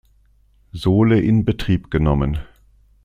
Sohle in Betrieb genommen.